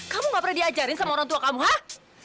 kamu gak pernah diajarin sama orang tua kamu hah